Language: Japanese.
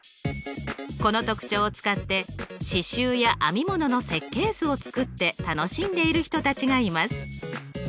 この特徴を使って刺しゅうや編み物の設計図を作って楽しんでいる人たちがいます。